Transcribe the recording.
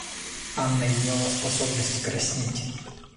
Анна имела способность краснеть.